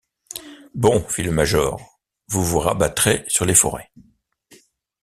Bon, fit le major, vous vous rabattrez sur les forêts.